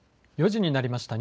４時になりました。